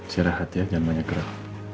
siap rahat ya jangan banyak gerak